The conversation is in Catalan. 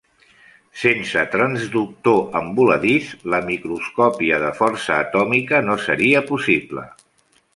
Sense transductor en voladís, la microscòpia de força atòmica no seria possible.